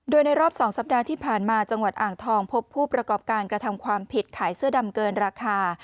โดยในรอบ๒สัปดาห์ที่ผ่านมาจังหวัดอ่างทองพบผู้ประกอบการกระทำความผิดขายเสื้อดำเกินราคา